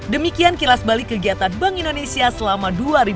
demikian kilas balik kegiatan bank indonesia selama dua ribu dua puluh